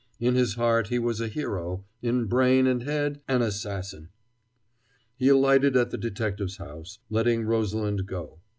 In his heart he was a hero, in brain and head an assassin! He alighted at the detective's house, letting Rosalind go.